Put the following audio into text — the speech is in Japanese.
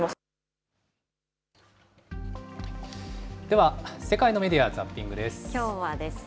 では、世界のメディア・ザッピングです。